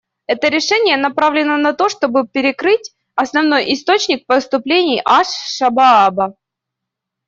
Это решение направлено на то, чтобы перекрыть основной источник поступлений «АшШабааба».